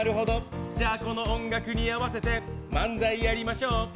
じゃあこの音楽に合わせて漫才やりましょう。